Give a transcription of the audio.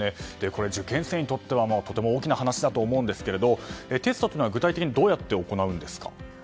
これ、受験生にとってはとても大きな話だと思うんですがテストというのは具体的にどうやって行うんですか。